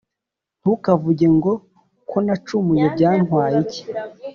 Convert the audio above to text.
Ntukavuge ngo «Ko nacumuye byantwaye iki?»